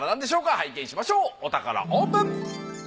拝見しましょうお宝オープン！